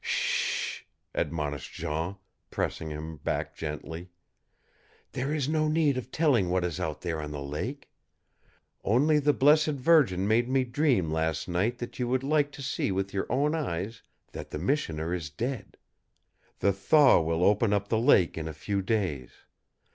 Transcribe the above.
"Sh h h h h!" admonished Jean, pressing him back gently. "There is no need of telling what is out there on the lake. Only the Blessed Virgin made me dream last night that you would like to see with your own eyes that the missioner is dead. The thaw will open up the lake in a few days.